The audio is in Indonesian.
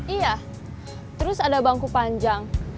iya terus ada bangku panjang